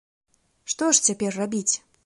Што ж цяпер рабіць?